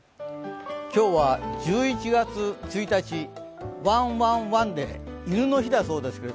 今日は１１月１日ワンワンワンで犬の日だそうです。